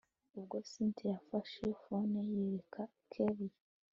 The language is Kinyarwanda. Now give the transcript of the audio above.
ubwo cyntia yafashe phone yereka kellia